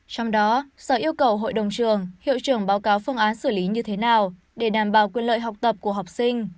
trong đó sở yêu cầu hội đồng trường hiệu trưởng báo cáo phương án xử lý như thế nào để đảm bảo quyền lợi học tập của học sinh